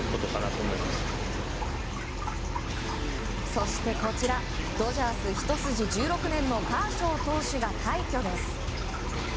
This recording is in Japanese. そしてこちらドジャース一筋１６年のカーショー投手が快挙です。